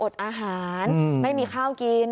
อาหารไม่มีข้าวกิน